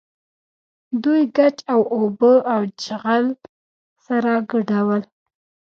دوی ګچ او اوبه او چغل سره ګډول.